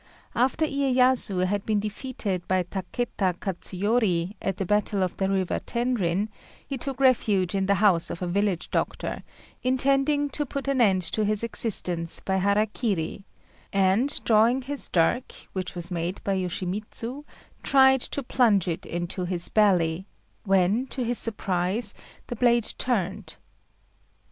After Iyéyasu had been defeated by Takéta Katsuyori, at the battle of the river Tenrin, he took refuge in the house of a village doctor, intending to put an end to his existence by hara kiri, and drawing his dirk, which was made by Yoshimitsu, tried to plunge it into his belly, when, to his surprise, the blade turned.